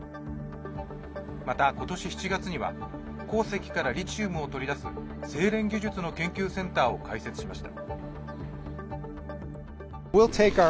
また、今年７月には鉱石からリチウムを取り出す製錬技術の研究センターを開設しました。